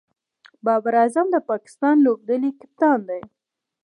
بابر اعظم د پاکستان لوبډلي کپتان دئ.